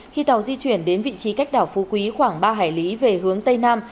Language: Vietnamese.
khi tàu di chuyển đến vị trí cách đảo phú quý khoảng ba hải lý về hướng tây nam